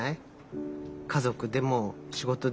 家族でも仕事でも。